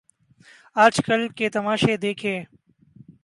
آج کل کے تماشے دیکھیے۔